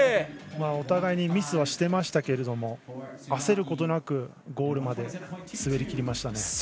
お互いにミスはしてましたが焦ることなくゴールまで滑りきりましたね。